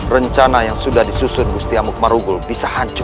rencana yang sudah disusun musti amuk marugul bisa hancur